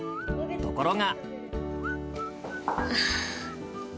ところが。